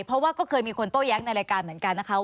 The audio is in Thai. เพราะว่าก็เคยมีคนโต้แย้งในรายการเหมือนกันนะคะว่า